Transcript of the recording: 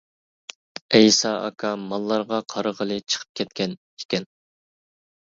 ئەيسا ئاكا ماللارغا قارىغىلى چىقىپ كەتكەن ئىكەن.